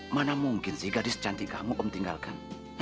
mana mungkin sih gadis cantik kamu om tinggalkan